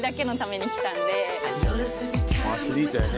アスリートやね